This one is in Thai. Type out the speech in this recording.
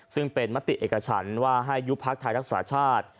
ซึ่งเป็นมติเอกฉันว่าให้ยุบพักไทยรักษาชาติ